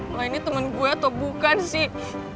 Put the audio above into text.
kalau ini temen gue atau bukan sih